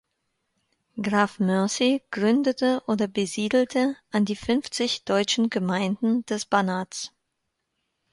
Graf Mercy gründete oder besiedelte an die fünfzig deutschen Gemeinden des Banats.